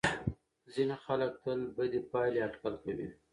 ځینې خلک تل بدې پایلې اټکل کوي.